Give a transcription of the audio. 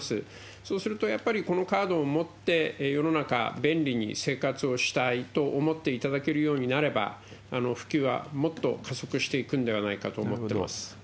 そうすると、やっぱりこのカードを持って世の中便利に生活をしたいと思っていただけるようになれば、普及はもっと加速していくんではないかと思っております。